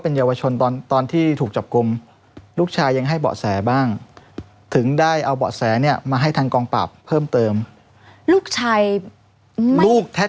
เอาบำแสเนี้ยมาให้ทางกองปรับเพิ่มเติมลูกชายลูกแท้